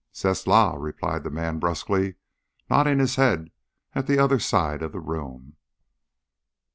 "C'est la," replied the man brusquely, nodding his head at the other side of the room.